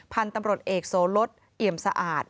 พันธุ์ตำรวจเอกโสลดเอี่ยมสะอาด